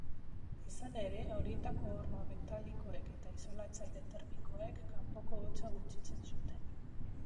Izan ere, horietako horma metalikoek eta isolatzaile termikoek kanpoko hotza gutxitzen zuten.